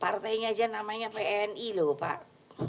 partainya aja namanya pni loh pak